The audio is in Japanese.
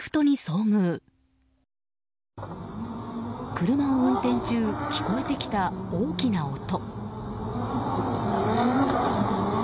車を運転中聞こえてきた大きな音。